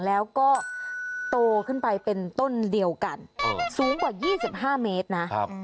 แล้วก็โตขึ้นไปเป็นต้นเดียวกันสูงกว่า๒๕เมตรนะ